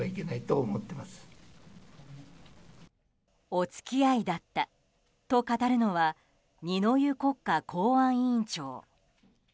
お付き合いだったと語るのは二之湯国家公安委員長。